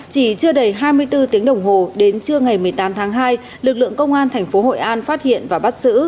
chỉ chưa đầy hai mươi bốn tiếng đồng hồ đến trưa ngày một mươi tám tháng hai lực lượng công an tp hội an phát hiện và bắt xử